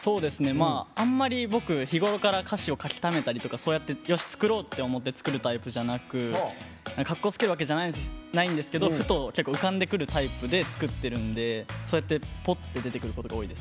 あんまり僕日頃から歌詞を書きためたりとかそうやって作ろうと思って作るタイプじゃなくかっこつけるわけじゃないんですけどふと結構、浮かんでくるタイプで作ってるんでそうやって、ぽって出てくることが多いです。